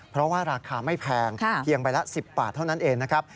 เพราะว่าราคาไม่แพงเพียงใบละ๑๐บาทเท่านั้นเองนะครับ